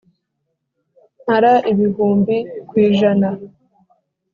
Mpara ibihumbi ku ijana.